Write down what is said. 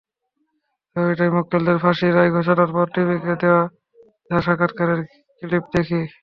ছবিটায় মক্কেলদের ফাঁসির রায় ঘোষণার পরপর টিভিকে দেওয়া তাঁর সাক্ষাত্কারের ক্লিপ দেখি।